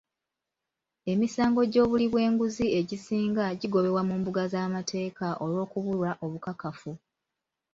Emisango gy'obuli bw'enguzi egisinga gigobebwa mu mbuga z'amateeka olw'okubulwa obukakafu.